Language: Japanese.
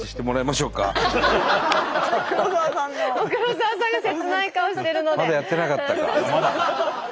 まだやってなかったか。